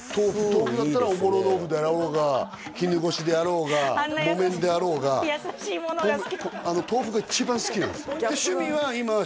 豆腐だったらおぼろ豆腐だろうが絹ごしであろうが木綿であろうが豆腐が一番好きなんです